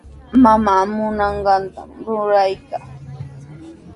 Mamaa munanqantami ruraykaa.